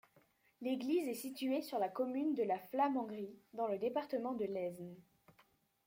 L'église est située sur la commune de La Flamengrie, dans le département de l'Aisne.